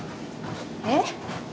えっ？